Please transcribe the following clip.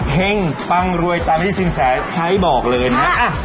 ปังรวยตามที่สินแสใช้บอกเลยนะครับ